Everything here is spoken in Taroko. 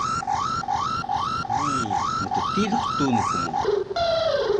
Nii mttilux tunux mu